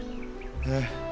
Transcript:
ええ。